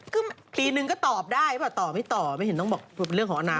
ก็ปีหนึ่งก็ตอบได้ต่อไม่ต่อไม่ต้องบอกว่าเป็นเรื่องของอนาคต